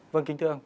vâng kính thưa ông